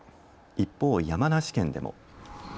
一方、山梨県でも。